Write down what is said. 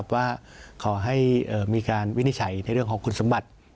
ว่าขอให้มีการวินิจฉัยในเรื่องของคุณสมบัติ